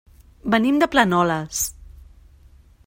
Venim de Planoles.